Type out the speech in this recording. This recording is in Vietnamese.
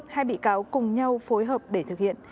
hai bị cáo cùng nhau phối hợp để thực hiện